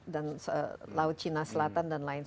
dan laut china selatan dan lain lain